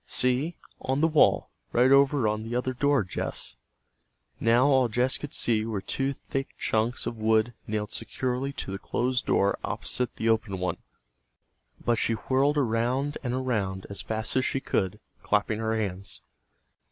"See, on the wall, right over on the other door, Jess." Now, all Jess could see were two thick chunks of wood nailed securely to the closed door opposite the open one. But she whirled around and around as fast as she could, clapping her hands.